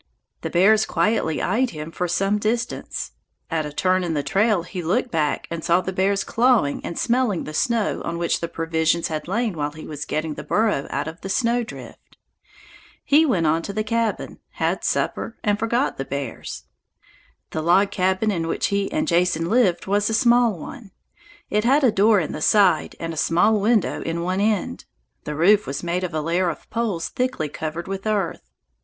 The bears quietly eyed him for some distance. At a turn in the trail he looked back and saw the bears clawing and smelling the snow on which the provisions had lain while he was getting the burro out of the snowdrift. He went on to the cabin, had supper, and forgot the bears. The log cabin in which he and Jason lived was a small one; it had a door in the side and a small window in one end. The roof was made of a layer of poles thickly covered with earth.